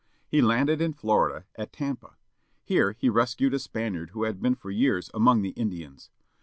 He landed in Florida, at Tampa. Here he rescued a Spaniard who had been for years among the Indians.